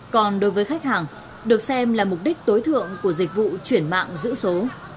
còn đối với khách hàng được xem là mục đích tối thượng của dịch vụ chuyển mạng giữ số